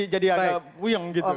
jadi agak wuyeng gitu